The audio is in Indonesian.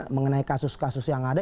mengenai kasus kasus yang ada